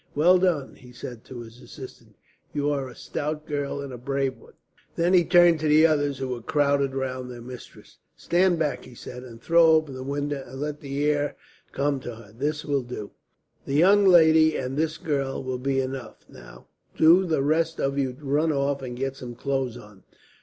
"Well done!" he said to his assistant. "You are a stout girl, and a brave one." Then he turned to the others, who were crowded round their mistress. "Stand back," he said, "and throw open the window and let the air come to her. That will do. "The young lady and this girl will be enough, now. Do the rest of you run off and get some clothes on."